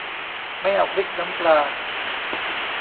ไม่เอาพริกน้ำปลา